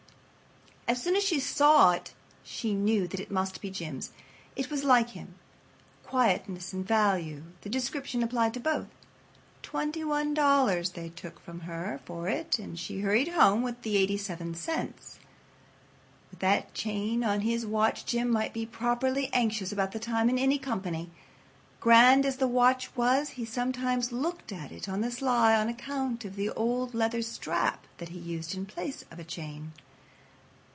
As soon as she saw it she knew that it must be Jim's. It was like him. Quietness and value—the description applied to both. Twenty one dollars they took from her for it, and she hurried home with the 87 cents. With that chain on his watch Jim might be properly anxious about the time in any company. Grand as the watch was, he sometimes looked at it on the sly on account of the old leather strap that he used in place of a chain.